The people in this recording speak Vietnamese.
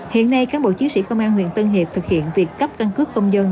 hiện nay cán bộ chiến sĩ công an huyện tân hiệp thực hiện việc cấp căn cước công dân